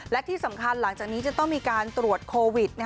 และที่สำคัญหลังจากนี้จะต้องมีการตรวจโควิด